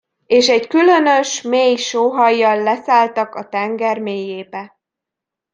És egy különös, mély sóhajjal leszálltak a tenger mélyébe.